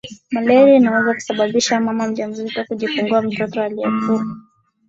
malaria inaweza kusababisha mama mjamzito kujifungua mtoto aliyekufa